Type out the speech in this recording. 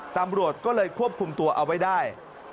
ตำรวจก็เลยควบคุมตัวเอาไว้ได้